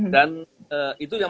dan itu yang